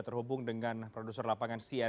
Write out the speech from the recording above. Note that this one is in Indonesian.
pertama tentu kang emil suli